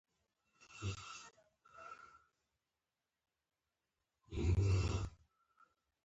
د کرم پاڼې د پړسوب لپاره وکاروئ